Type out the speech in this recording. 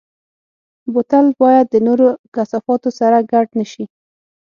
بوتل باید د نورو کثافاتو سره ګډ نه شي.